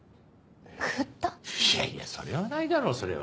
いやいやそれはないだろそれは。